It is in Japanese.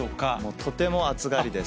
とても暑がりです。